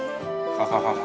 ハハハハ。